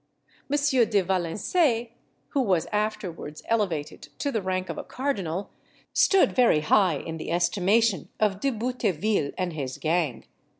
M. de Valençay, who was afterwards elevated to the rank of a cardinal, stood very high in the estimation of De Bouteville and his gang.